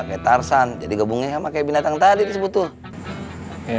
kayak tarsan jadi gabungnya sama kayak binatang tadi sebetulnya